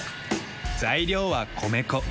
材料は米粉。